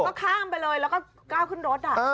ก็ข้ามไปเลยแล้วก็ก้าวขึ้นรถ